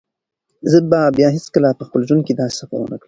زه به بیا هیڅکله په خپل ژوند کې داسې سفر ونه کړم.